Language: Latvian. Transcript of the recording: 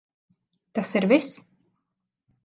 Tas ir viss?